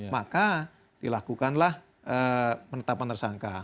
maka dilakukanlah penetapan tersangka